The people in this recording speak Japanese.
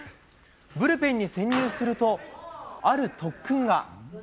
ブルペンに潜入すると、ある特訓が。